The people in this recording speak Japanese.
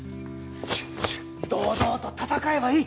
堂々と闘えばいい。